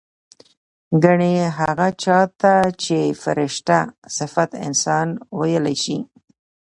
ګنې هغه چا ته چې فرشته صفت انسان وييلی شي